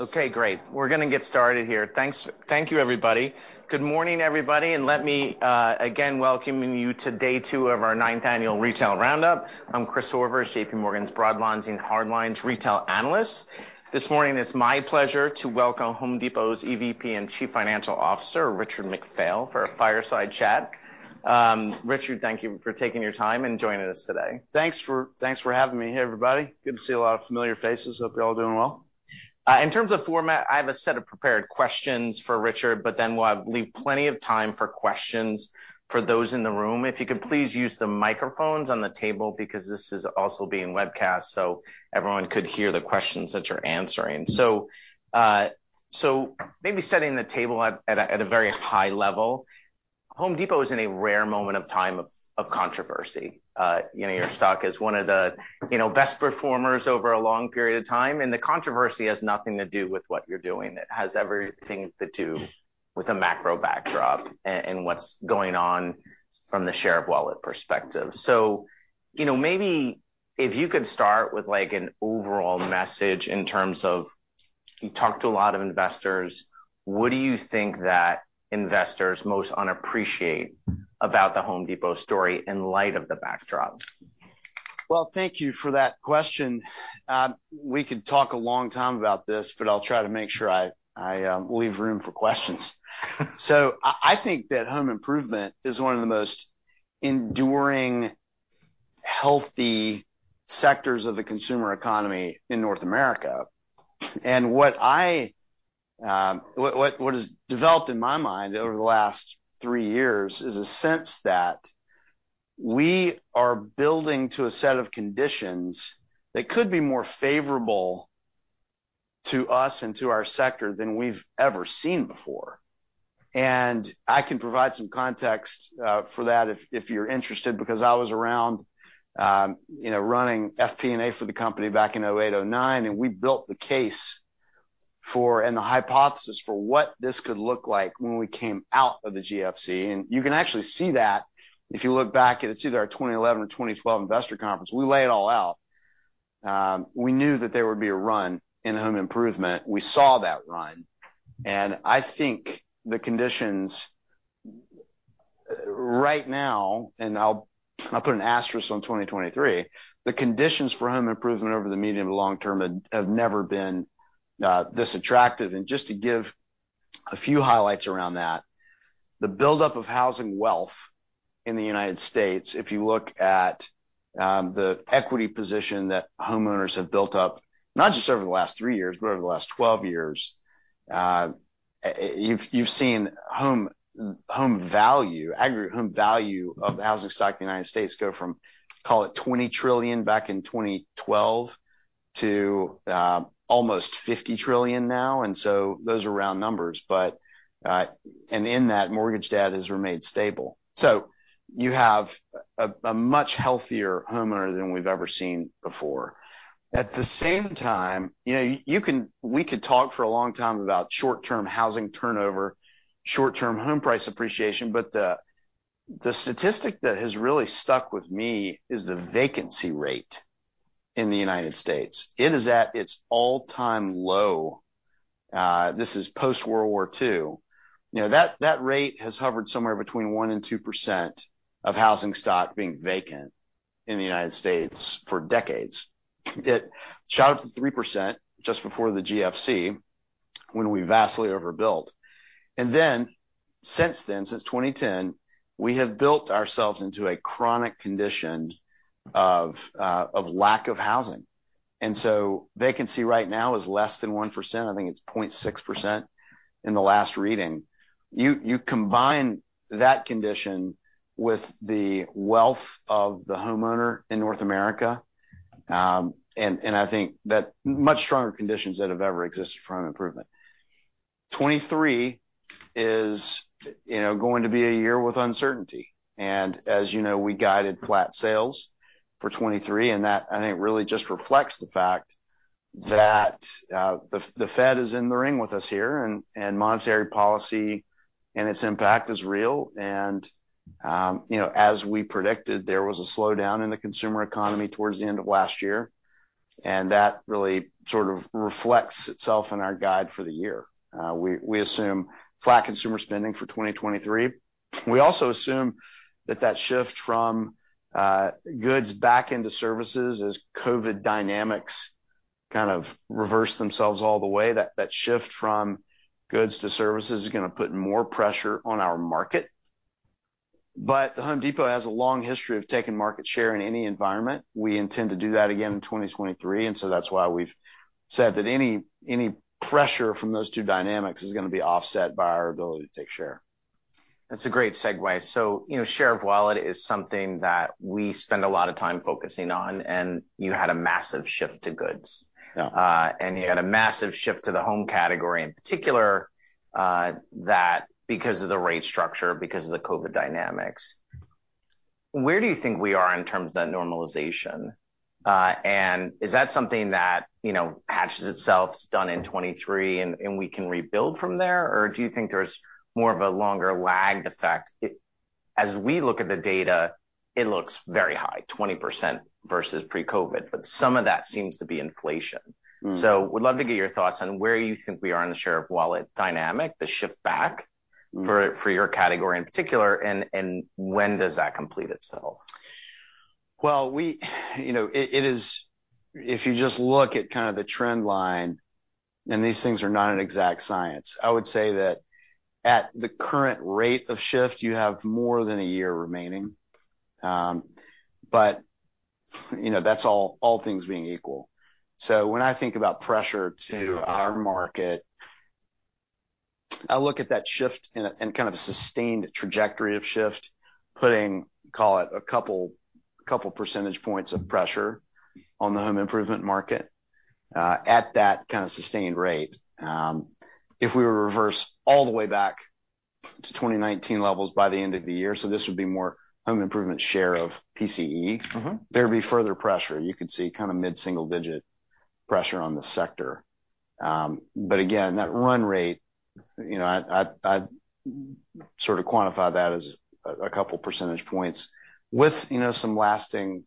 Okay, great. We're gonna get started here. Thanks. Thank you, everybody. Good morning, everybody. Let me, again welcoming you to day two of our ninth annual Retail Round-Up. I'm Chris Horvers, J.P. Morgan's broadlines and hardlines retail analyst. This morning it's my pleasure to welcome Home Depot's EVP and Chief Financial Officer, Richard McPhail, for a fireside chat. Richard, thank you for taking your time and joining us today. Thanks for having me. Hey, everybody. Good to see a lot of familiar faces. Hope you're all doing well. In terms of format, I have a set of prepared questions for Richard. We'll have plenty of time for questions for those in the room. If you could please use the microphones on the table because this is also being webcast. Everyone could hear the questions that you're answering. Maybe setting the table at a very high level, Home Depot is in a rare moment of time of controversy. You know, your stock is one of the, you know, best performers over a long period of time. The controversy has nothing to do with what you're doing. It has everything to do with the macro backdrop and what's going on from the share of wallet perspective you know, maybe if you could start with, like, an overall message in terms of you talk to a lot of investors, what do you think that investors most unappreciate about The Home Depot story in light of the backdrop? Well, thank you for that question. We could talk a long time about this, but I'll try to make sure I leave room for questions. I think that home improvement is one of the most enduring, healthy sectors of the consumer economy in North America. What I what has developed in my mind over the last three years is a sense that we are building to a set of conditions that could be more favorable to us and to our sector than we've ever seen before. I can provide some context for that if you're interested, because I was around, you know, running FP&A for the company back in 2008, 2009, and we built the case for and the hypothesis for what this could look like when we came out of the GFC. You can actually see that if you look back at, it's either our 2011 or 2012 investor conference, we lay it all out. We knew that there would be a run in home improvement. We saw that run. I think the conditions right now, and I'll put an asterisk on 2023, the conditions for home improvement over the medium to long term have never been this attractive. Just to give a few highlights around that, the buildup of housing wealth in the United States, if you look at the equity position that homeowners have built up, not just over the last three years, but over the last 12 years, you've seen home value, aggregate home value of the housing stock in the United States go from, call it $20 trillion back in 2012 to almost $50 trillion now. Those are round numbers, but in that, mortgage debt has remained stable. You have a much healthier homeowner than we've ever seen before. At the same time, you know, we could talk for a long time about short-term housing turnover, short-term home price appreciation, but the statistic that has really stuck with me is the vacancy rate in the United States. It is at its all-time low, this is post-World War II. You know, that rate has hovered somewhere between 1% and 2% of housing stock being vacant in the United States for decades. It shot up to 3% just before the GFC when we vastly overbuilt. Since then, since 2010, we have built ourselves into a chronic condition of lack of housing. Vacancy right now is less than 1%. I think it's 0.6% in the last reading. You combine that condition with the wealth of the homeowner in North America, and I think that much stronger conditions that have ever existed for home improvement. 2023 is, you know, going to be a year with uncertainty. As you know, we guided flat sales for 2023, and that, I think, really just reflects the fact that the Fed is in the ring with us here and monetary policy and its impact is real. You know, as we predicted, there was a slowdown in the consumer economy towards the end of last year, and that really sort of reflects itself in our guide for the year. We assume flat consumer spending for 2023. We also assume that that shift from goods back into services as COVID dynamics kind of reverse themselves all the way, that shift from goods to services is gonna put more pressure on our market. The Home Depot has a long history of taking market share in any environment. We intend to do that again in 2023, that's why we've said that any pressure from those two dynamics is gonna be offset by our ability to take share. That's a great segue. You know, share of wallet is something that we spend a lot of time focusing on, and you had a massive shift to goods. Yeah. You had a massive shift to the home category in particular, that because of the rate structure, because of the COVID dynamics. Where do you think we are in terms of that normalization? Is that something that, you know, hatches itself, it's done in 2023 and we can rebuild from there, or do you think there's more of a longer lagged effect? As we look at the data, it looks very high, 20% versus pre-COVID, but some of that seems to be inflation. Mm. Would love to get your thoughts on where you think we are in the share of wallet dynamic, the shift back. Mm... for your category in particular, and when does that complete itself? Well, you know, it is. If you just look at kind of the trend line, these things are not an exact science, I would say that at the current rate of shift, you have more than a year remaining. But, you know, that's all things being equal. When I think about pressure to our market, I look at that shift and kind of a sustained trajectory of shift, putting, call it a couple percentage points of pressure on the home improvement market, at that kind of sustained rate. If we were reverse all the way back to 2019 levels by the end of the year, this would be more home improvement share of PCE. Mm-hmm... there'd be further pressure. You could see kind of mid-single digit pressure on the sector. Again, that run rate, you know, I sort of quantify that as a couple percentage points with, you know, some lasting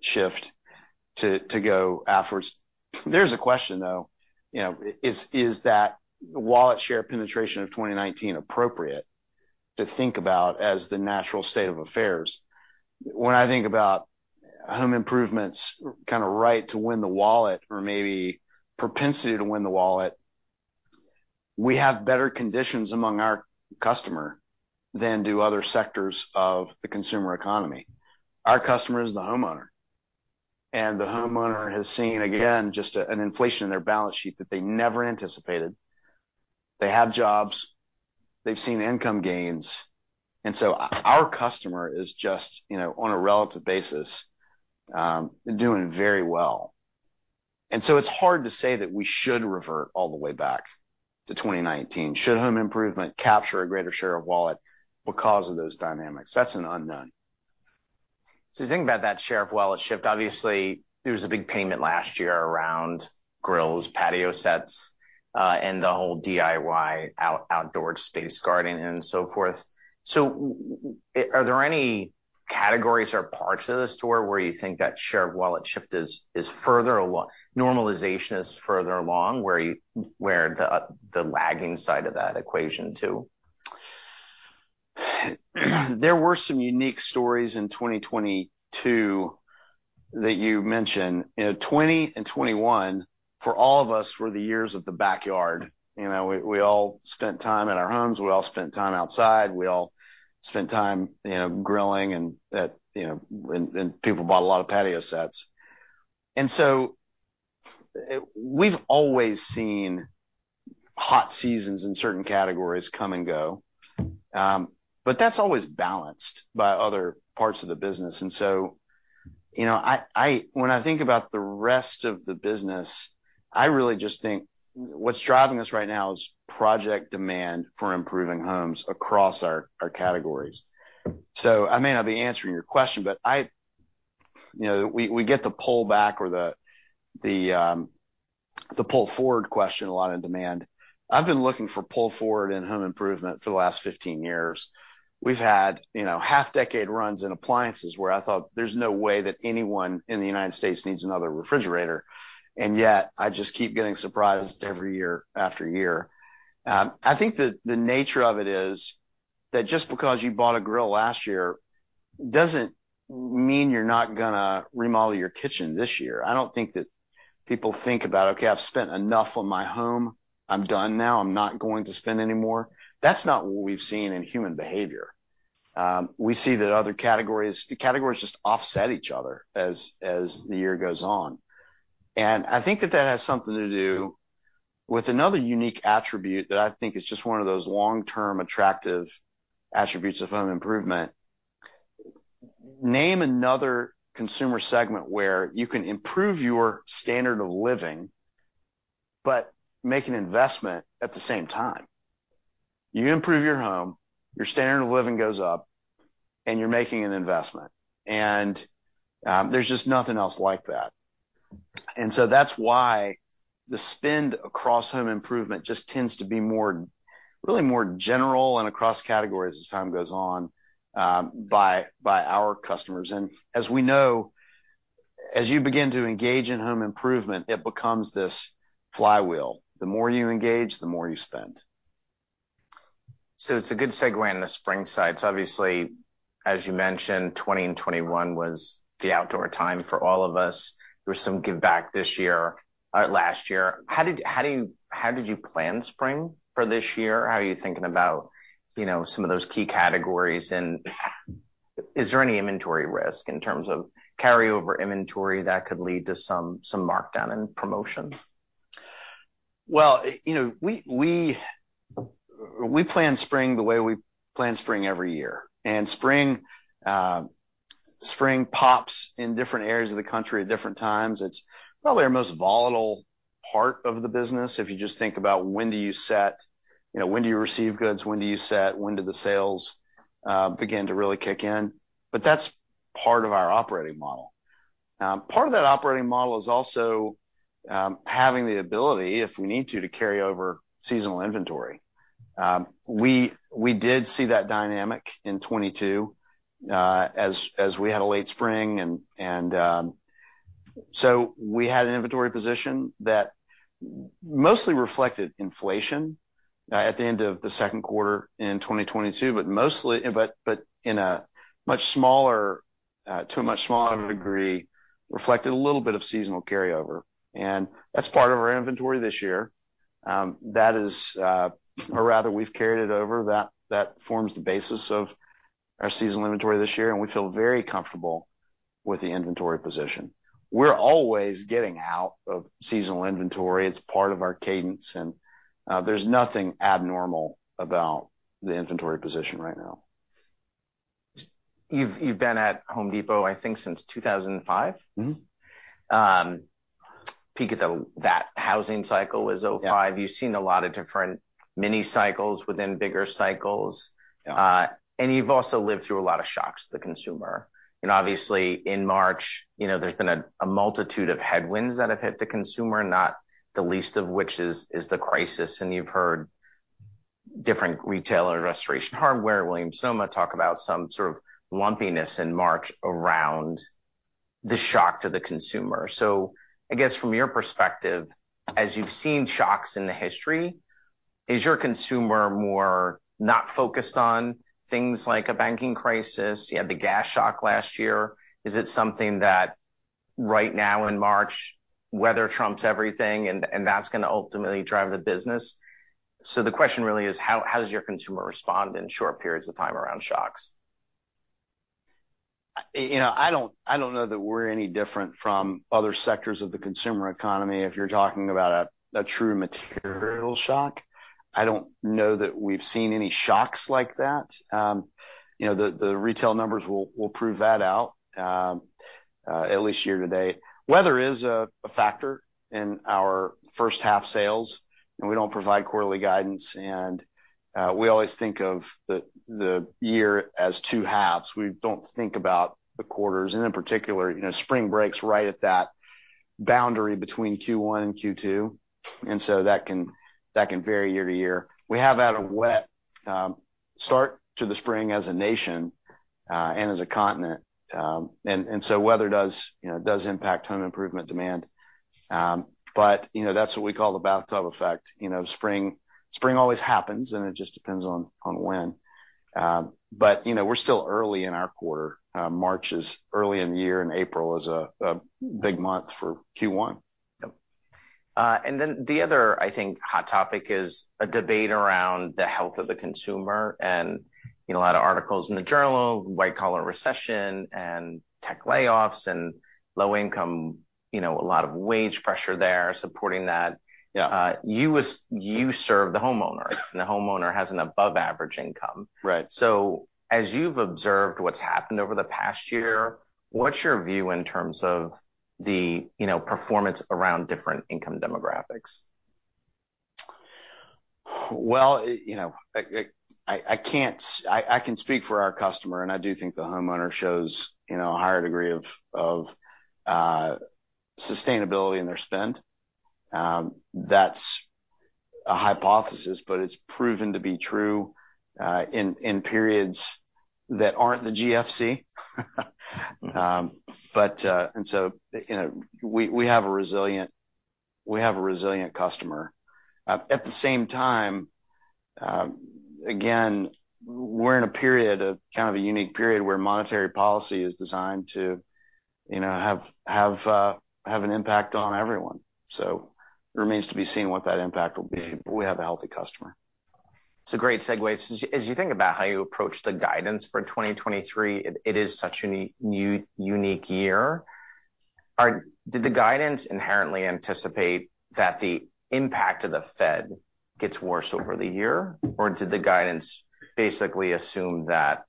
shift to go afterwards. There's a question, though, you know, is that wallet share penetration of 2019 appropriate to think about as the natural state of affairs? When I think about home improvements kind of right to win the wallet or maybe propensity to win the wallet, we have better conditions among our customer than do other sectors of the consumer economy. Our customer is the homeowner. The homeowner has seen, again, just an inflation in their balance sheet that they never anticipated. They have jobs. They've seen income gains. Our customer is just, you know, on a relative basis, doing very well. It's hard to say that we should revert all the way back to 2019. Should home improvement capture a greater share of wallet because of those dynamics? That's an unknown. You think about that share of wallet shift. Obviously, there was a big payment last year around grills, patio sets, and the whole DIY outdoor space, garden and so forth. Are there any categories or parts of the store where you think that share of wallet shift is further along, normalization is further along, where the lagging side of that equation too? There were some unique stories in 2022 that you mentioned. You know, 20 and 21, for all of us, were the years of the backyard. You know, we all spent time at our homes, we all spent time outside, we all spent time, you know, grilling and that, you know, and people bought a lot of patio sets. We've always seen hot seasons in certain categories come and go, but that's always balanced by other parts of the business. You know, I When I think about the rest of the business, I really just think what's driving us right now is project demand for improving homes across our categories. I may not be answering your question, but I you know, we get the pull back or the pull forward question a lot in demand. I've been looking for pull forward in home improvement for the last 15 years. We've had, you know, half decade runs in appliances where I thought there's no way that anyone in the United States needs another refrigerator, and yet I just keep getting surprised every year after year. I think that the nature of it is that just because you bought a grill last year doesn't mean you're not gonna remodel your kitchen this year. I don't think that people think about, "Okay, I've spent enough on my home. I'm done now. I'm not going to spend any more." That's not what we've seen in human behavior. We see that other categories just offset each other as the year goes on. I think that that has something to do with another unique attribute that I think is just one of those long-term attractive attributes of home improvement. Name another consumer segment where you can improve your standard of living but make an investment at the same time. You improve your home, your standard of living goes up, and you're making an investment, and there's just nothing else like that. That's why the spend across home improvement just tends to be more, really more general and across categories as time goes on, by our customers. As we know, as you begin to engage in home improvement, it becomes this flywheel. The more you engage, the more you spend. It's a good segue into spring side. Obviously, as you mentioned, 20 and 2021 was the outdoor time for all of us. There was some give back this year, last year. How did you plan spring for this year? How are you thinking about, you know, some of those key categories? Is there any inventory risk in terms of carryover inventory that could lead to some markdown and promotion? Well, you know, we plan spring the way we plan spring every year. Spring pops in different areas of the country at different times. It's probably our most volatile part of the business, if you just think about when do you set, you know, when do you receive goods, when do you set, when do the sales begin to really kick in. That's part of our operating model. Part of that operating model is also having the ability, if we need to carry over seasonal inventory. We did see that dynamic in 2022, as we had a late spring and. We had an inventory position that mostly reflected inflation at the end of the second quarter in 2022, but to a much smaller degree, reflected a little bit of seasonal carryover. That's part of our inventory this year. Or rather, we've carried it over. That forms the basis of our seasonal inventory this year, and we feel very comfortable with the inventory position. We're always getting out of seasonal inventory. It's part of our cadence, and there's nothing abnormal about the inventory position right now. You've been at The Home Depot, I think, since 2005. Mm-hmm. peak of that housing cycle was 2005. Yeah. You've seen a lot of different mini cycles within bigger cycles. Yeah. You've also lived through a lot of shocks to the consumer. Obviously, in March, you know, there's been a multitude of headwinds that have hit the consumer, not the least of which is the crisis. You've heard different retailers, Restoration Hardware, Williams-Sonoma, talk about some sort of lumpiness in March around the shock to the consumer. I guess from your perspective, as you've seen shocks in the history, is your consumer more not focused on things like a banking crisis? You had the gas shock last year. Is it something that right now in March, weather trumps everything and that's gonna ultimately drive the business? The question really is: How does your consumer respond in short periods of time around shocks? You know, I don't know that we're any different from other sectors of the consumer economy if you're talking about a true material shock. I don't know that we've seen any shocks like that. You know, the retail numbers will prove that out at least year to date. Weather is a factor in our first half sales, and we don't provide quarterly guidance, and we always think of the year as two halves. We don't think about the quarters. In particular, you know, spring breaks right at that boundary between Q1 and Q2, so that can vary year to year. We have had a wet start to the spring as a nation and as a continent. So weather does, you know, does impact home improvement demand. You know, that's what we call the bathtub effect. You know, spring always happens, it just depends on when. You know, we're still early in our quarter. March is early in the year, April is a big month for Q1. Yep. Then the other, I think, hot topic is a debate around the health of the consumer and, you know, a lot of articles in the journal, white collar recession and tech layoffs and low income, you know, a lot of wage pressure there supporting that. Yeah. You serve the homeowner. Right. The homeowner has an above average income. Right. As you've observed what's happened over the past year, what's your view in terms of the, you know, performance around different income demographics? Well, you know, I can speak for our customer. I do think the homeowner shows, you know, a higher degree of sustainability in their spend. That's a hypothesis, but it's proven to be true in periods that aren't the GFC. You know, we have a resilient customer. At the same time, again, we're in a period of kind of a unique period where monetary policy is designed to, you know, have an impact on everyone. It remains to be seen what that impact will be, but we have a healthy customer. It's a great segue. As you think about how you approach the guidance for 2023, it is such a new, unique year. Did the guidance inherently anticipate that the impact of the Fed gets worse over the year? Did the guidance basically assume that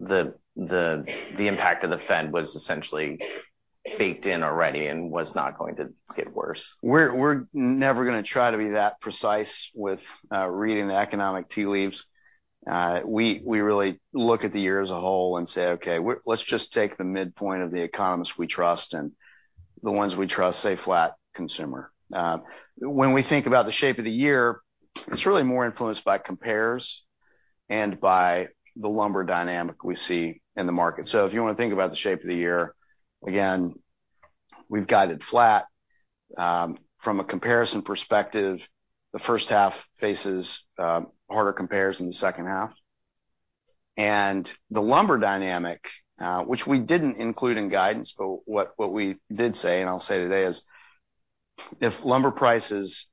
the impact of the Fed was essentially baked in already and was not going to get worse? We're never gonna try to be that precise with reading the economic tea leaves. We really look at the year as a whole and say, "Okay, let's just take the midpoint of the economists we trust," and the ones we trust say flat consumer. When we think about the shape of the year, it's really more influenced by compares and by the lumber dynamic we see in the market. If you wanna think about the shape of the year, again, we've guided flat. From a comparison perspective, the first half faces harder compares in the second half. The lumber dynamic, which we didn't include in guidance, what we did say and I'll say today is if lumber prices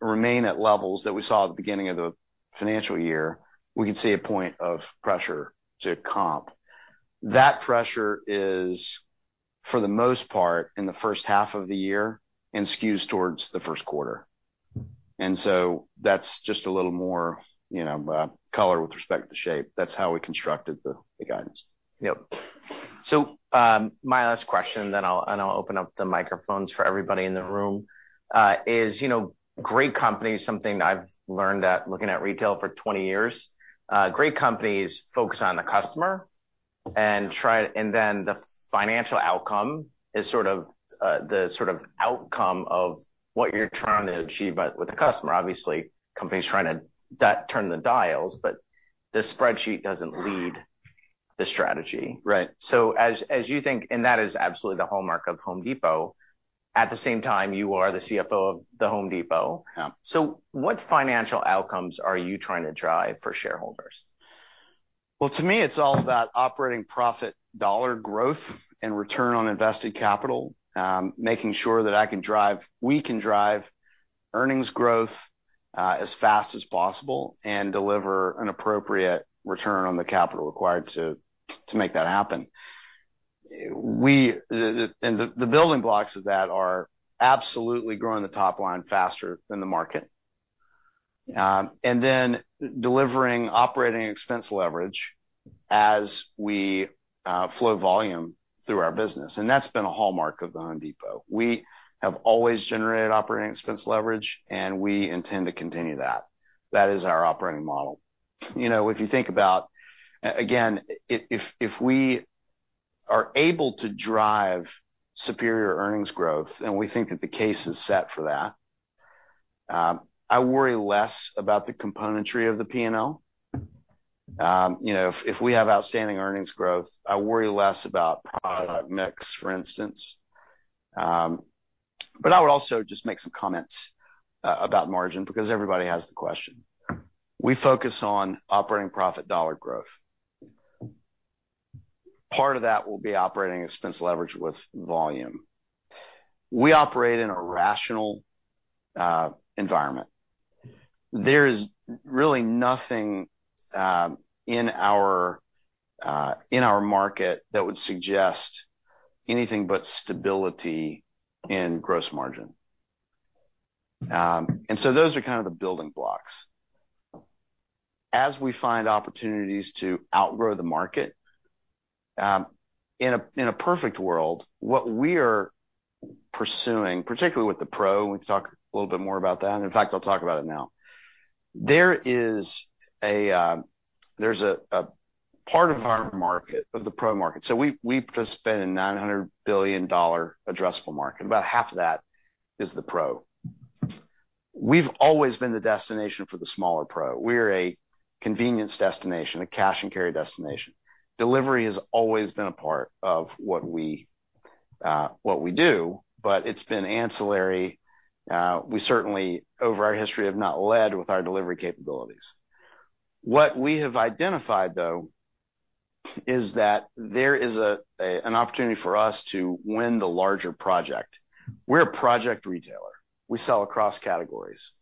remain at levels that we saw at the beginning of the financial year, we could see a point of pressure to comp. That pressure is, for the most part, in the first half of the year and skews towards the first quarter. That's just a little more, you know, color with respect to shape. That's how we constructed the guidance. Yep. My last question and I'll open up the microphones for everybody in the room, is, you know, great companies, something I've learned looking at retail for 20 years, great companies focus on the customer. Then the financial outcome is sort of the sort of outcome of what you're trying to achieve with the customer. Obviously, company's trying to turn the dials, but the spreadsheet doesn't lead the strategy. Right. As you think, and that is absolutely the hallmark of The Home Depot, at the same time, you are the CFO of The Home Depot. Yeah. What financial outcomes are you trying to drive for shareholders? Well, to me, it's all about operating profit dollar growth and return on invested capital, making sure that we can drive earnings growth as fast as possible and deliver an appropriate return on the capital required to make that happen. The building blocks of that are absolutely growing the top line faster than the market. Then delivering operating expense leverage as we flow volume through our business. That's been a hallmark of The Home Depot. We have always generated operating expense leverage, and we intend to continue that. That is our operating model. You know, if you think about, again, if we are able to drive superior earnings growth, and we think that the case is set for that, I worry less about the componentry of the P&L. You know, if we have outstanding earnings growth, I worry less about product mix, for instance. I would also just make some comments about margin because everybody has the question. We focus on operating profit dollar growth. Part of that will be operating expense leverage with volume. We operate in a rational environment. There is really nothing in our in our market that would suggest anything but stability in gross margin. Those are kind of the building blocks. As we find opportunities to outgrow the market, in a, in a perfect world, what we are pursuing, particularly with the Pro, and we can talk a little bit more about that, and in fact, I'll talk about it now. There is a, there's a part of our market, of the Pro market. We participate in $900 billion addressable market. About half of that is the Pro. We've always been the destination for the smaller Pro. We're a convenience destination, a cash and carry destination. Delivery has always been a part of what we do, but it's been ancillary. We certainly, over our history, have not led with our delivery capabilities. What we have identified, though, is that there is an opportunity for us to win the larger project. We're a project retailer. We sell across categories.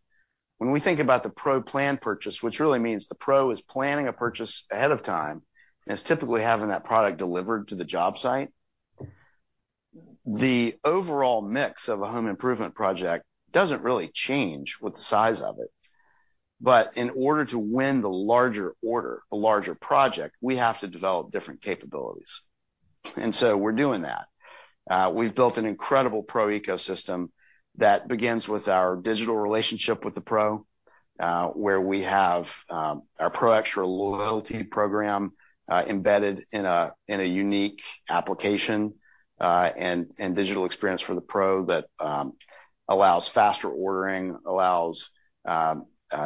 When we think about the Pro plan purchase, which really means the Pro is planning a purchase ahead of time, and it's typically having that product delivered to the job site, the overall mix of a home improvement project doesn't really change with the size of it. In order to win the larger order, the larger project, we have to develop different capabilities. We're doing that. We've built an incredible pro ecosystem that begins with our digital relationship with the pro, where we have our Pro Xtra loyalty program embedded in a unique application and digital experience for the pro that allows faster ordering, allows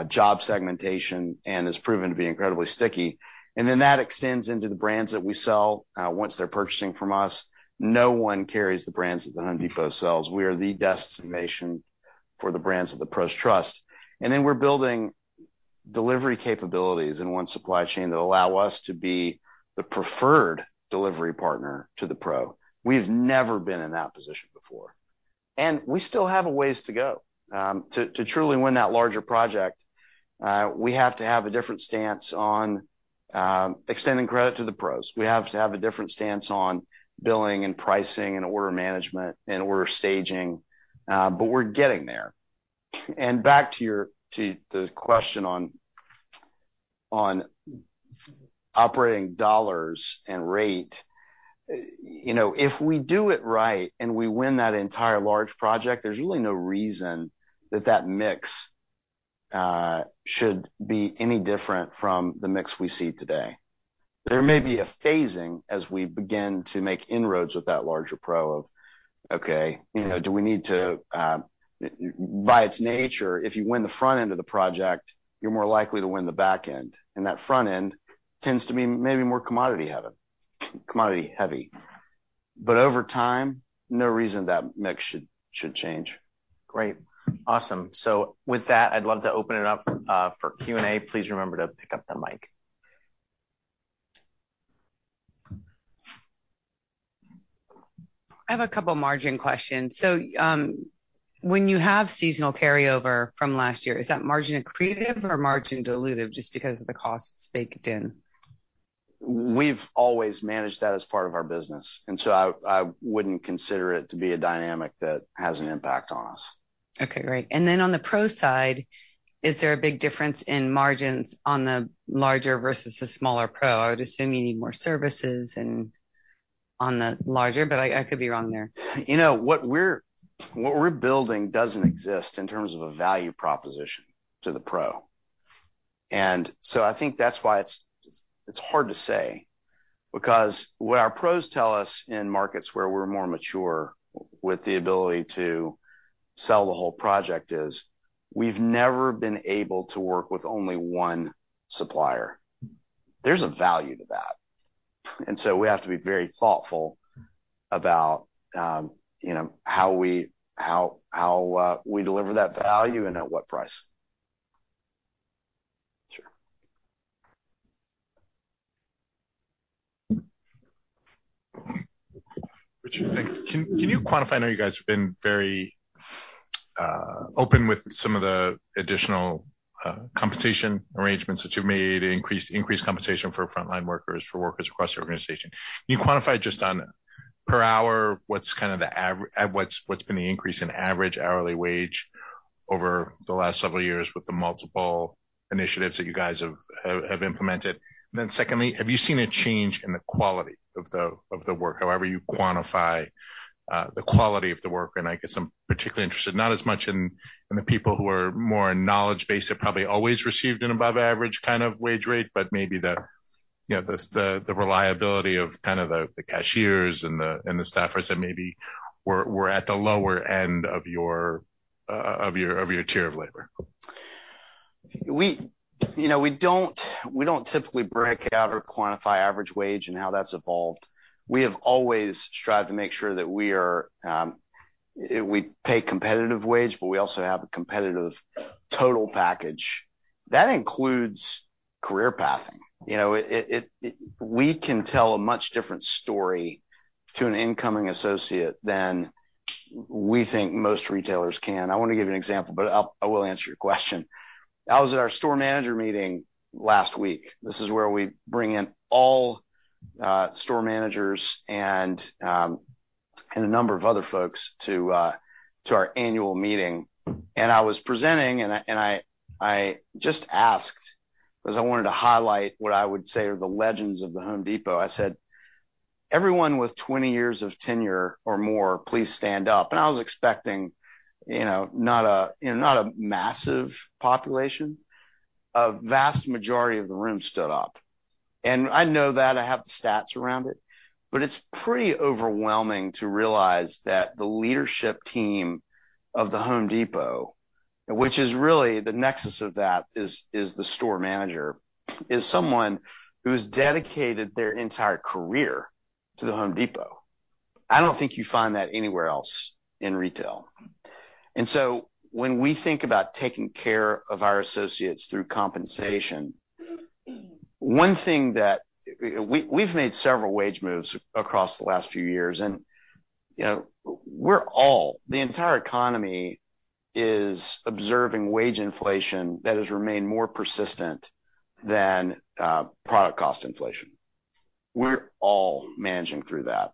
job segmentation, and has proven to be incredibly sticky. That extends into the brands that we sell once they're purchasing from us. No one carries the brands that The Home Depot sells. We are the destination for the brands that the pros trust. We're building delivery capabilities in One Supply Chain that allow us to be the preferred delivery partner to the pro. We've never been in that position before. We still have a ways to go to truly win that larger project. We have to have a different stance on extending credit to the pros. We have to have a different stance on billing and pricing and order management and order staging, but we're getting there. Back to the question on operating dollars and rate, you know, if we do it right and we win that entire large project, there's really no reason that that mix should be any different from the mix we see today. There may be a phasing as we begin to make inroads with that larger pro of, okay, you know, do we need to. By its nature, if you win the front end of the project, you're more likely to win the back end, and that front end tends to be maybe more commodity heavy. Over time, no reason that mix should change. Great. Awesome. With that, I'd love to open it up for Q&A. Please remember to pick up the mic. I have a couple margin questions. When you have seasonal carryover from last year, is that margin accretive or margin dilutive just because of the costs baked in? We've always managed that as part of our business, and so I wouldn't consider it to be a dynamic that has an impact on us. Okay, great. On the pro side, is there a big difference in margins on the larger versus the smaller pro? I would assume you need more services On the larger, I could be wrong there. You know, what we're building doesn't exist in terms of a value proposition to the pro. I think that's why it's hard to say because what our pros tell us in markets where we're more mature with the ability to sell the whole project is, we've never been able to work with only one supplier. There's a value to that. We have to be very thoughtful about, you know, how we deliver that value and at what price. Sure. Richard, thanks. Can you quantify... I know you guys have been very open with some of the additional compensation arrangements that you've made, increased compensation for frontline workers, for workers across the organization. Can you quantify just on per hour what's been the increase in average hourly wage over the last several years with the multiple initiatives that you guys have implemented? Secondly, have you seen a change in the quality of the work, however you quantify the quality of the work? I guess I'm particularly interested, not as much in the people who are more knowledge-based, have probably always received an above average kind of wage rate, but maybe the, you know, the reliability of kind of the cashiers and the staffers that maybe were at the lower end of your tier of labor. We, you know, we don't typically break out or quantify average wage and how that's evolved. We have always strived to make sure that we are, we pay competitive wage, but we also have a competitive total package. That includes career pathing. You know, we can tell a much different story to an incoming associate than we think most retailers can. I wanna give you an example, but I will answer your question. I was at our store manager meeting last week. This is where we bring in all store managers and a number of other folks to our annual meeting. I was presenting, and I just asked, 'cause I wanted to highlight what I would say are the legends of The Home Depot. I said, "Everyone with 20 years of tenure or more, please stand up." I was expecting, you know, not a massive population. A vast majority of the room stood up. I know that, I have the stats around it, but it's pretty overwhelming to realize that the leadership team of The Home Depot, which is really the nexus of that is the store manager, is someone who's dedicated their entire career to The Home Depot. I don't think you find that anywhere else in retail. When we think about taking care of our associates through compensation, one thing that. We've made several wage moves across the last few years and, you know, we're all, the entire economy is observing wage inflation that has remained more persistent than product cost inflation. We're all managing through that.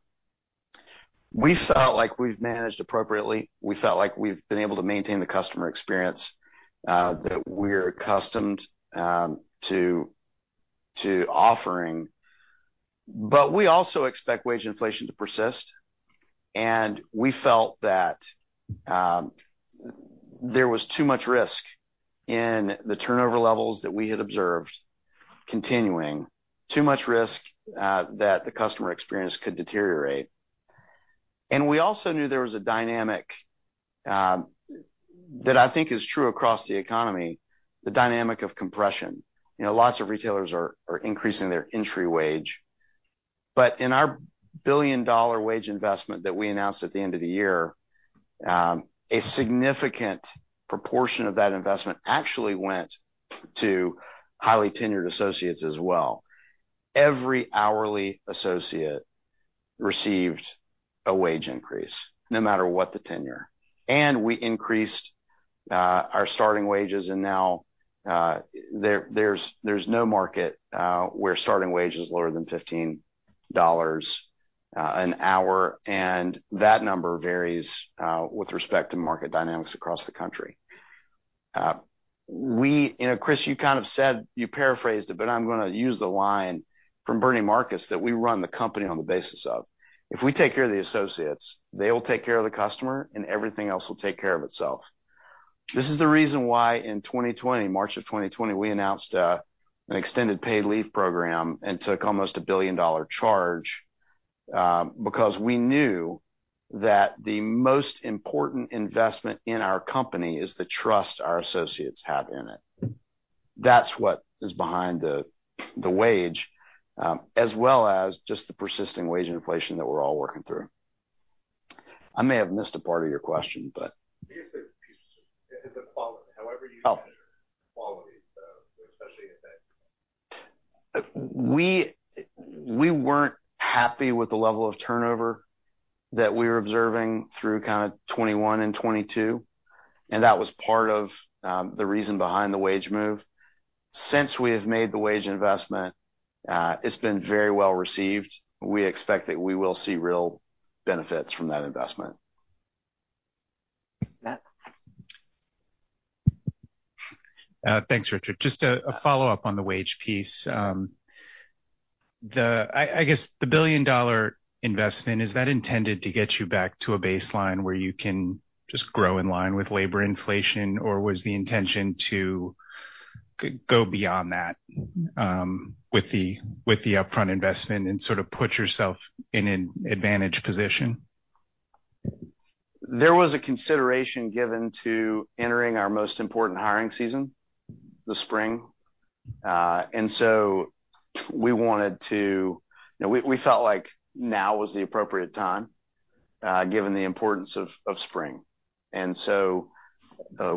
We felt like we've managed appropriately. We felt like we've been able to maintain the customer experience that we're accustomed to offering. We also expect wage inflation to persist, and we felt that there was too much risk in the turnover levels that we had observed continuing. Too much risk that the customer experience could deteriorate. We also knew there was a dynamic that I think is true across the economy, the dynamic of compression. You know, lots of retailers are increasing their entry wage. In our billion-dollar wage investment that we announced at the end of the year, a significant proportion of that investment actually went to highly tenured associates as well. Every hourly associate received a wage increase, no matter what the tenure. We increased our starting wages, and now there's no market where starting wage is lower than $15 an hour. That number varies with respect to market dynamics across the country. You know, Chris, you kind of said, you paraphrased it, but I'm gonna use the line from Bernie Marcus that we run the company on the basis of. If we take care of the associates, they will take care of the customer, and everything else will take care of itself. This is the reason why in 2020, March of 2020, we announced an extended paid leave program and took almost a billion-dollar charge because we knew that the most important investment in our company is the trust our associates have in it. That's what is behind the wage, as well as just the persisting wage inflation that we're all working through. I may have missed a part of your question, but... I guess the piece, is the quality. However you measure quality, especially. We weren't happy with the level of turnover that we were observing through kinda 21 and 22. That was part of the reason behind the wage move. Since we have made the wage investment, it's been very well received. We expect that we will see real benefits from that investment. Matt? Thanks, Richard. Just a follow-up on the wage piece. I guess the billion-dollar investment, is that intended to get you back to a baseline where you can just grow in line with labor inflation? Was the intention to go beyond that, with the upfront investment and sort of put yourself in an advantage position? There was a consideration given to entering our most important hiring season, the spring. You know, we felt like now was the appropriate time, given the importance of spring.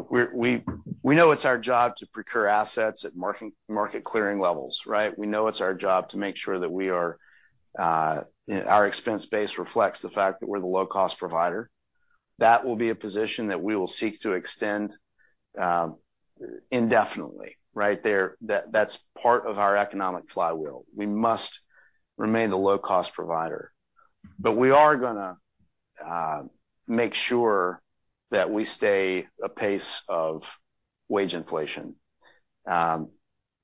We know it's our job to procure assets at market clearing levels, right? We know it's our job to make sure that our expense base reflects the fact that we're the low cost provider. That will be a position that we will seek to extend indefinitely, right? That's part of our economic flywheel. We must remain the low cost provider. We are gonna make sure that we stay apace of wage inflation.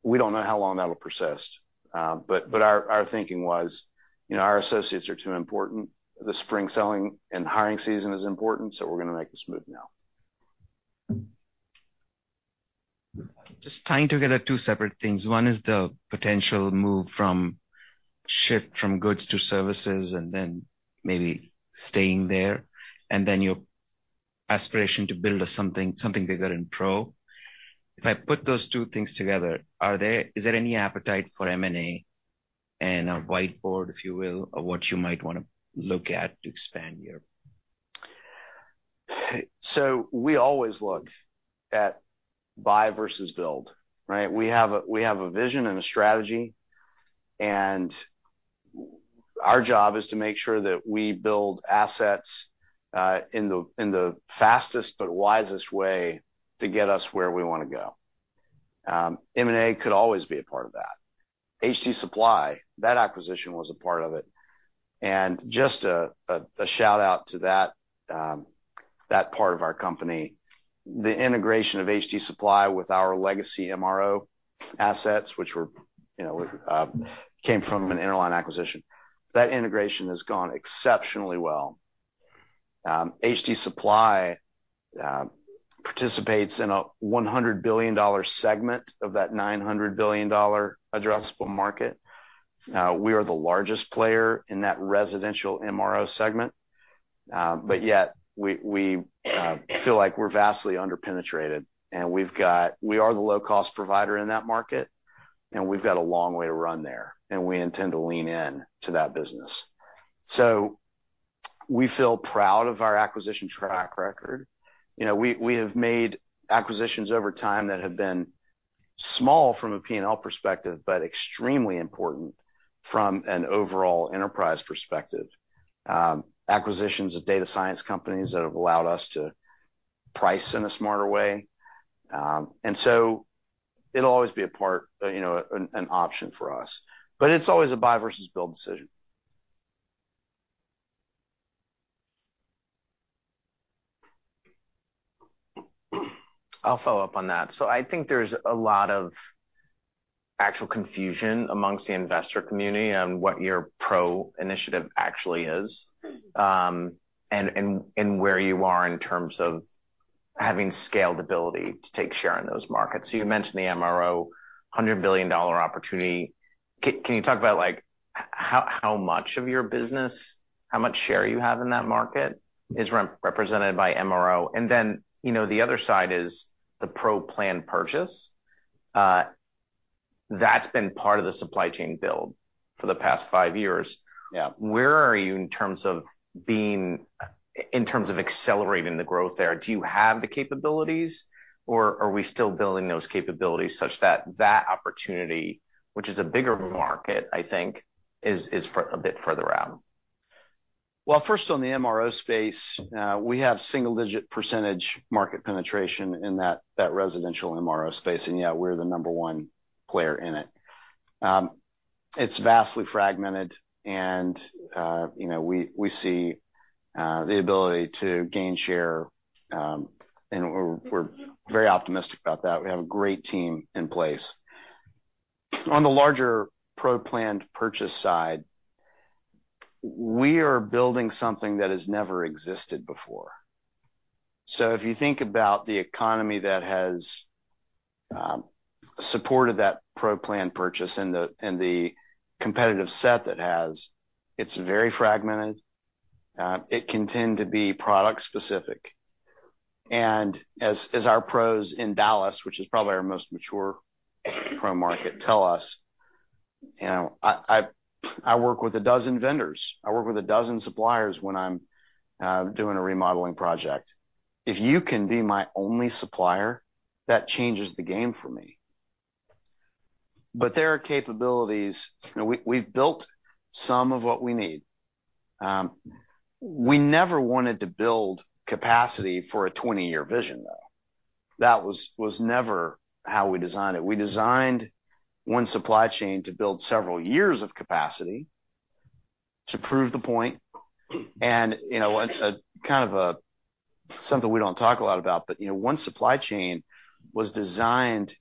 We don't know how long that'll persist. Our thinking was, you know, our associates are too important, the spring selling and hiring season is important, so we're gonna make this move now. Just tying together two separate things. One is the potential move from shift from goods to services, and then maybe staying there, and then your aspiration to build something bigger in pro. If I put those two things together, is there any appetite for M&A and a whiteboard, if you will, of what you might wanna look at to expand your? We always look at buy versus build, right? We have a, we have a vision and a strategy, and our job is to make sure that we build assets in the fastest but wisest way to get us where we wanna go. M&A could always be a part of that. HD Supply, that acquisition was a part of it. Just a shout-out to that part of our company. The integration of HD Supply with our legacy MRO assets, which were, you know, came from an Interline acquisition, that integration has gone exceptionally well. HD Supply participates in a $100 billion segment of that $900 billion addressable market. We are the largest player in that residential MRO segment, but yet we feel like we're vastly under-penetrated. We've got. We are the low cost provider in that market. We've got a long way to run there, and we intend to lean in to that business. We feel proud of our acquisition track record. You know, we have made acquisitions over time that have been small from a P&L perspective, but extremely important from an overall enterprise perspective. Acquisitions of data science companies that have allowed us to price in a smarter way. It'll always be a part, you know, an option for us, but it's always a buy versus build decision. I'll follow up on that. I think there's a lot of actual confusion amongst the investor community on what your Pro initiative actually is, and where you are in terms of having scalability to take share in those markets. You mentioned the MRO $100 billion opportunity. Can you talk about like how much of your business, how much share you have in that market is represented by MRO? You know, the other side is the Pro plan purchase. That's been part of the supply chain build for the past five years. Yeah. Where are you in terms of accelerating the growth there? Do you have the capabilities or are we still building those capabilities such that that opportunity, which is a bigger market, I think, is a bit further out? Well, first on the MRO space, we have single-digit % market penetration in that residential MRO space. Yeah, we're the number one player in it. It's vastly fragmented and, you know, we see the ability to gain share, and we're very optimistic about that. We have a great team in place. On the larger Pro plan purchase side, we are building something that has never existed before. If you think about the economy that has supported that Pro plan purchase and the competitive set that it has, it's very fragmented. It can tend to be product specific. As our pros in Dallas, which is probably our most mature pro market, tell us, you know, "I work with a dozen vendors. I work with 12 suppliers when I'm doing a remodeling project. If you can be my only supplier, that changes the game for me. There are capabilities... You know, we've built some of what we need. We never wanted to build capacity for a 20-year vision, though. That was never how we designed it. We designed One Supply Chain to build several years of capacity. To prove the point, and, you know, a kind of a something we don't talk a lot about, but, you know, One Supply Chain was designed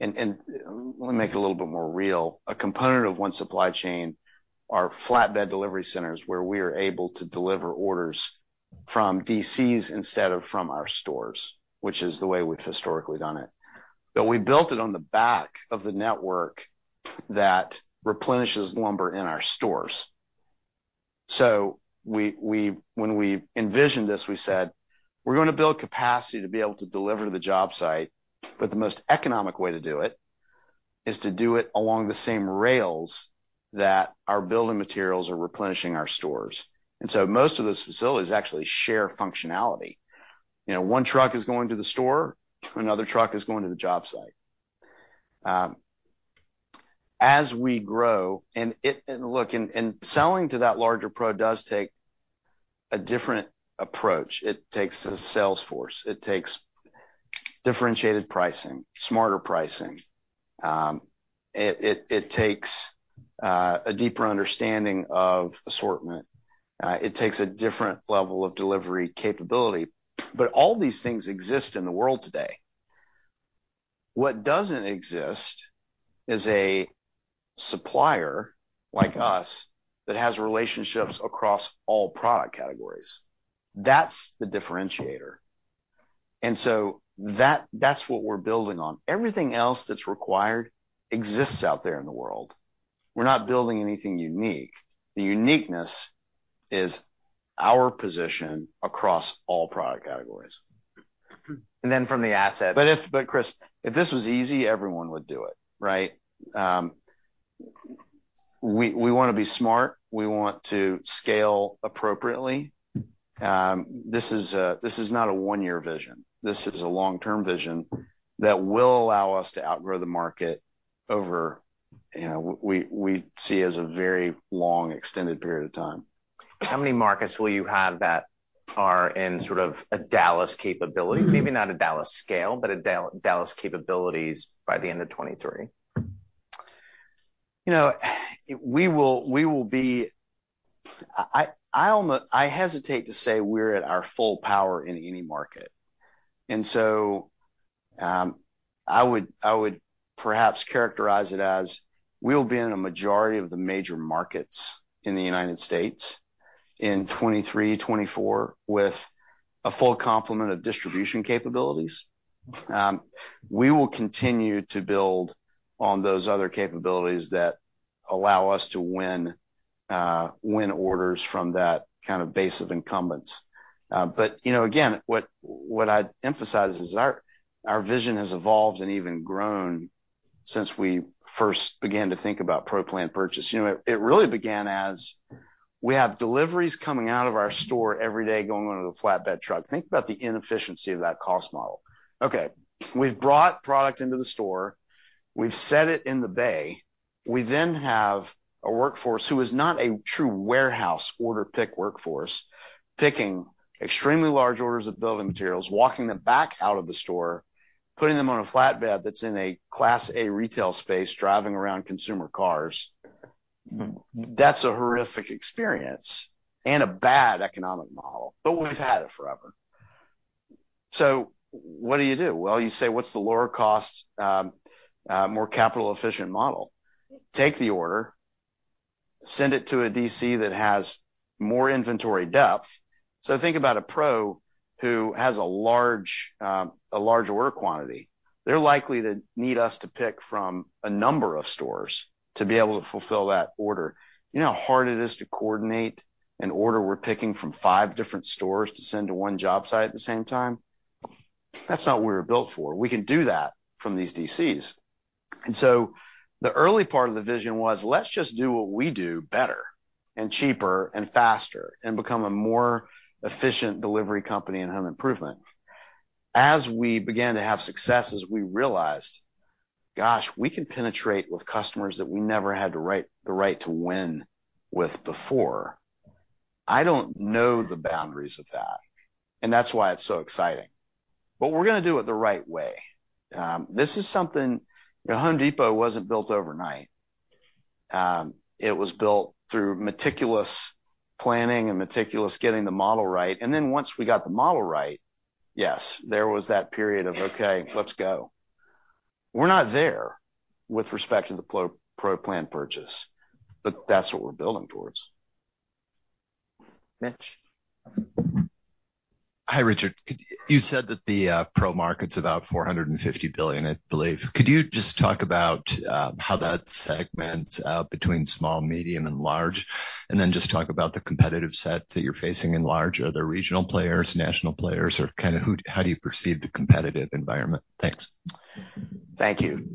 and let me make it a little bit more real. A component of One Supply Chain are flatbed delivery centers where we are able to deliver orders from DCs instead of from our stores, which is the way we've historically done it. We built it on the back of the network that replenishes lumber in our stores. We when we envisioned this, we said, "We're gonna build capacity to be able to deliver to the job site, but the most economic way to do it is to do it along the same rails that our building materials are replenishing our stores." Most of those facilities actually share functionality. You know, one truck is going to the store, another truck is going to the job site. As we grow and look, and selling to that larger Pro does take a different approach. It takes a sales force, it takes differentiated pricing, smarter pricing. It, it takes a deeper understanding of assortment. It takes a different level of delivery capability. All these things exist in the world today. What doesn't exist is a supplier like us that has relationships across all product categories. That's the differentiator. That's what we're building on. Everything else that's required exists out there in the world. We're not building anything unique. The uniqueness is our position across all product categories. from the Chris, if this was easy, everyone would do it, right? We wanna be smart. We want to scale appropriately. This is not a one-year vision. This is a long-term vision that will allow us to outgrow the market over, you know, we see as a very long, extended period of time. How many markets will you have that are in sort of a Dallas capability? Maybe not a Dallas scale, but a Dallas capabilities by the end of 2023? You know, we will be. I hesitate to say we're at our full power in any market. I would perhaps characterize it as we'll be in a majority of the major markets in the United States in 2023, 2024 with a full complement of distribution capabilities. We will continue to build on those other capabilities that allow us to win orders from that kind of base of incumbents. You know, again, what I'd emphasize is our vision has evolved and even grown since we first began to think about Pro plan purchase. You know, it really began as we have deliveries coming out of our store every day going onto the flatbed truck. Think about the inefficiency of that cost model. Okay. We've brought product into the store. We've set it in the bay. We then have a workforce who is not a true warehouse order pick workforce, picking extremely large orders of building materials, walking them back out of the store, putting them on a flatbed that's in a Class A retail space, driving around consumer cars. That's a horrific experience and a bad economic model, but we've had it forever. What do you do? You say, "What's the lower cost, more capital efficient model?" Take the order, send it to a DC that has more inventory depth. Think about a pro who has a large, a large order quantity. They're likely to need us to pick from a number of stores to be able to fulfill that order. You know how hard it is to coordinate an order we're picking from five different stores to send to one job site at the same time? That's not what we're built for. We can do that from these DCs. The early part of the vision was, let's just do what we do better and cheaper and faster and become a more efficient delivery company in home improvement. As we began to have successes, we realized, gosh, we can penetrate with customers that we never had the right to win with before. I don't know the boundaries of that, and that's why it's so exciting. We're gonna do it the right way. This is something... You know, Home Depot wasn't built overnight. It was built through meticulous planning and meticulous getting the model right. Once we got the model right, yes, there was that period of, okay, let's go. We're not there with respect to the Pro plan purchase, but that's what we're building towards. Mitch. Hi, Richard. You said that the pro market's about $450 billion, I believe. Could you just talk about how that segment between small, medium, and large, and then just talk about the competitive set that you're facing in large. Are there regional players, national players, or kind of how do you perceive the competitive environment? Thanks. Thank you.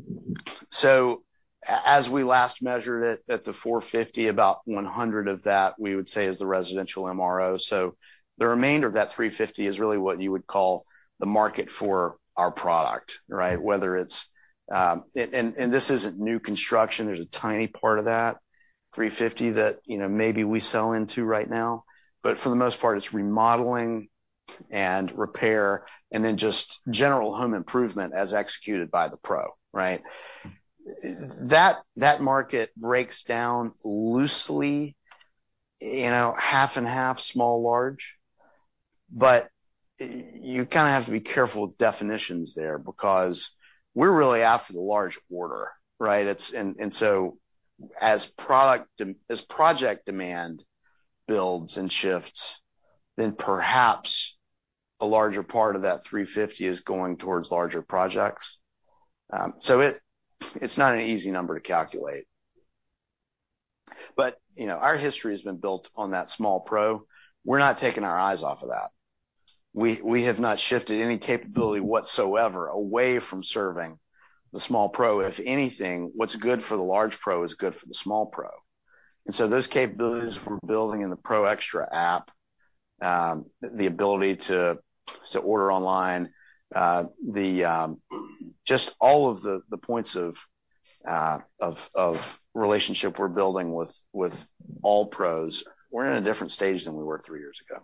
As we last measured it at the $450, about $100 of that we would say is the residential MRO. The remainder of that $350 is really what you would call the market for our product, right? Whether it's. This isn't new construction. There's a tiny part of that $350 that, you know, maybe we sell into right now. For the most part, it's remodeling and repair, and then just general home improvement as executed by the pro, right? That market breaks down loosely, you know, half and half small, large. You kind of have to be careful with definitions there because we're really after the large order, right? As project demand builds and shifts, then perhaps a larger part of that $350 is going towards larger projects. It's not an easy number to calculate. You know, our history has been built on that small pro. We're not taking our eyes off of that. We have not shifted any capability whatsoever away from serving the small pro. If anything, what's good for the large pro is good for the small pro. Those capabilities we're building in the Pro Xtra app, the ability to order online, the just all of the points of relationship we're building with all pros, we're in a different stage than we were three years ago.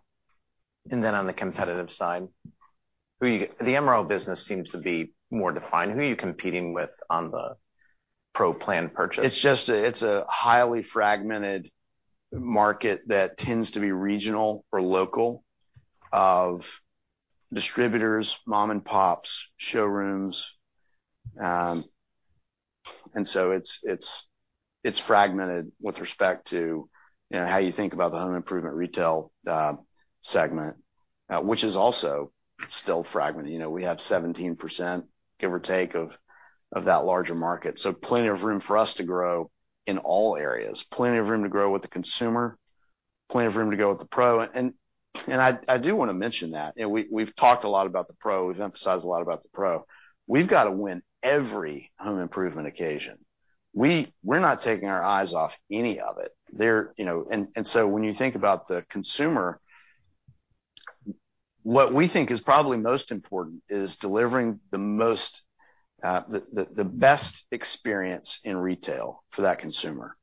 On the competitive side, the MRO business seems to be more defined. Who are you competing with on the Pro plan purchase? It's just a, it's a highly fragmented market that tends to be regional or local of distributors, mom and pops, showrooms. So it's fragmented with respect to, you know, how you think about the home improvement retail segment, which is also still fragmented. You know, we have 17%, give or take, of that larger market, so plenty of room for us to grow in all areas. Plenty of room to grow with the consumer, plenty of room to grow with the pro. I do wanna mention that. You know, we've talked a lot about the pro, we've emphasized a lot about the pro. We've got to win every home improvement occasion. We're not taking our eyes off any of it. They're, you know... When you think about the consumer, what we think is probably most important is delivering the most, the best experience in retail for that consumer.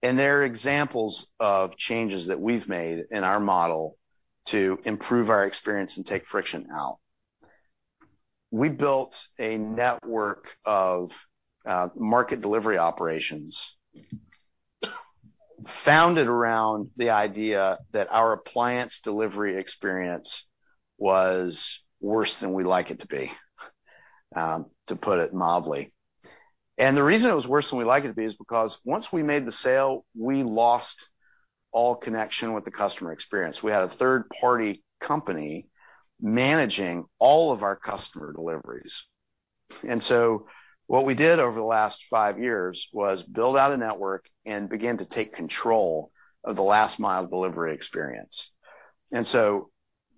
There are examples of changes that we've made in our model to improve our experience and take friction out. We built a network of market delivery operations founded around the idea that our appliance delivery experience was worse than we'd like it to be, to put it mildly. The reason it was worse than we like it to be is because once we made the sale, we lost all connection with the customer experience. We had a third-party company managing all of our customer deliveries. What we did over the last five years was build out a network and begin to take control of the last mile delivery experience.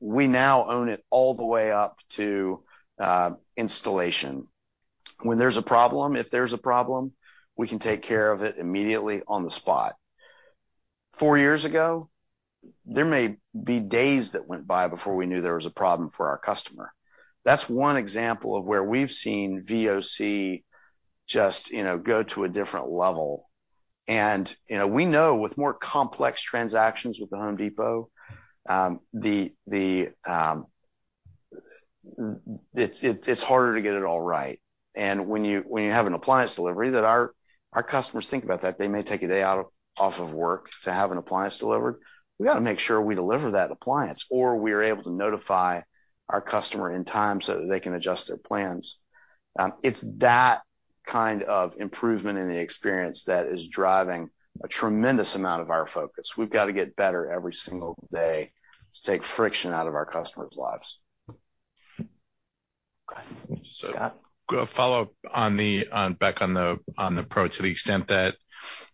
We now own it all the way up to installation. When there's a problem, if there's a problem, we can take care of it immediately on the spot. Four years ago, there may be days that went by before we knew there was a problem for our customer. That's one example of where we've seen VOC just, you know, go to a different level. You know, we know with more complex transactions with The Home Depot, it's harder to get it all right. When you have an appliance delivery that our customers think about that they may take a day out of, off of work to have an appliance delivered, we gotta make sure we deliver that appliance, or we are able to notify our customer in time so that they can adjust their plans. It's that kind of improvement in the experience that is driving a tremendous amount of our focus. We've got to get better every single day to take friction out of our customers' lives. Okay. Scott? Follow up on the back on the Pro to the extent that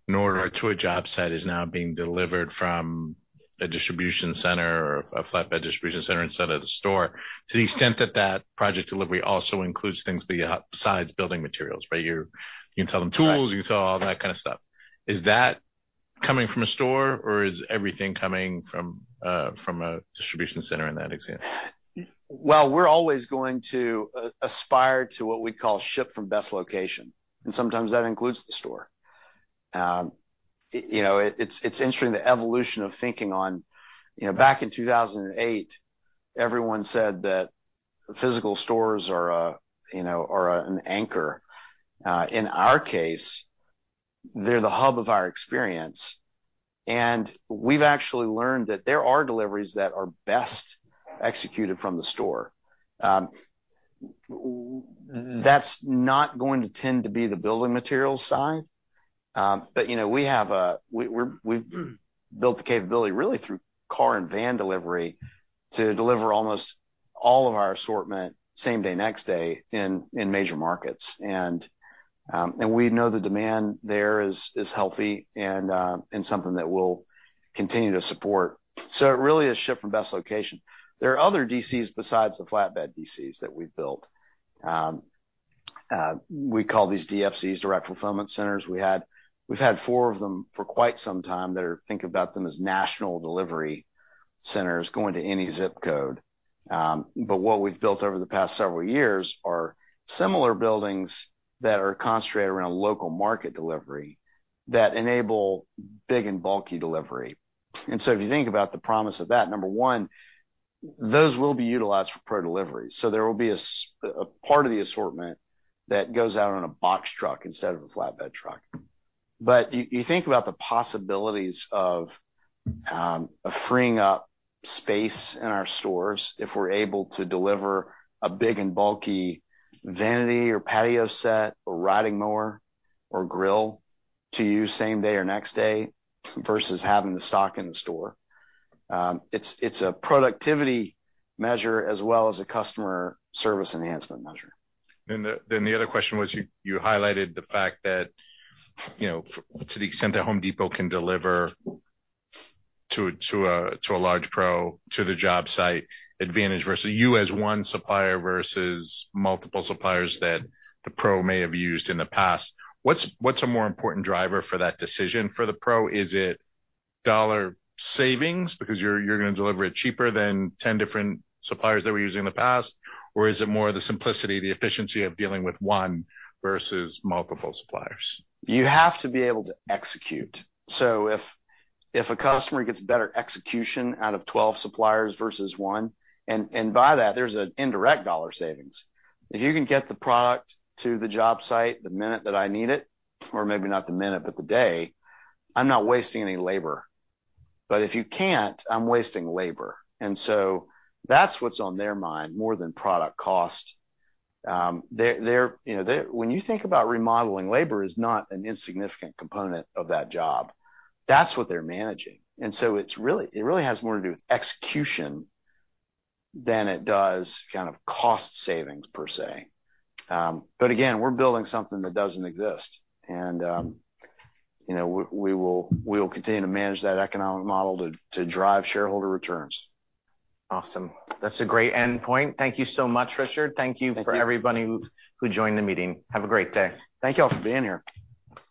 an order to a job site is now being delivered from a distribution center or a flatbed delivery center instead of the store. To the extent that that project delivery also includes things besides building materials, right? You can sell them tools, you can sell all that kind of stuff. Is that coming from a store or is everything coming from a distribution center in that example? Well, we're always going to aspire to what we call ship from best location, and sometimes that includes the store. It, you know, it's interesting the evolution of thinking on, you know, back in 2008, everyone said that physical stores are a, you know, are an anchor. In our case, they're the hub of our experience, and we've actually learned that there are deliveries that are best executed from the store. That's not going to tend to be the building materials side. But, you know, we have a, we've built the capability really through car and van delivery to deliver almost all of our assortment same day, next day in major markets. We know the demand there is healthy and something that we'll continue to support. It really is ship from best location. There are other DCs besides the flatbed DCs that we've built. We call these DFCs, direct fulfillment centers. We've had 4 of them for quite some time that are think about them as national delivery centers going to any zip code. What we've built over the past several years are similar buildings that are concentrated around local market delivery that enable big and bulky delivery. If you think about the promise of that, number 1, those will be utilized for pro delivery. There will be a part of the assortment that goes out on a box truck instead of a flatbed truck. You think about the possibilities of freeing up space in our stores if we're able to deliver a big and bulky vanity or patio set or riding mower or grill to you same day or next day versus having the stock in the store. It's a productivity measure as well as a customer service enhancement measure. The other question was you highlighted the fact that, you know, to the extent that Home Depot can deliver to a large Pro to the job site advantage versus you as one supplier versus multiple suppliers that the Pro may have used in the past. What's a more important driver for that decision for the Pro? Is it dollar savings because you're gonna deliver it cheaper than 10 different suppliers that we're using in the past, or is it more the simplicity, the efficiency of dealing with one versus multiple suppliers? You have to be able to execute. If a customer gets better execution out of 12 suppliers versus one, and by that, there's an indirect dollar savings. If you can get the product to the job site the minute that I need it, or maybe not the minute, but the day, I'm not wasting any labor. If you can't, I'm wasting labor. That's what's on their mind more than product cost. They're, you know, they're... When you think about remodeling, labor is not an insignificant component of that job. That's what they're managing. It really has more to do with execution than it does kind of cost savings per se. Again, we're building something that doesn't exist. you know, we will continue to manage that economic model to drive shareholder returns. Awesome. That's a great end point. Thank you so much, Richard. Thank you. Thank you for everybody who joined the meeting. Have a great day. Thank you all for being here.